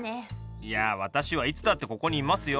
いや私はいつだってここにいますよ。